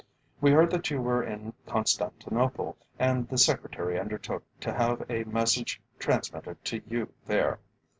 We heard that you were in Constantinople, and the Secretary undertook to have a message transmitted to you there.